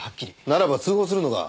ならば通報するのが。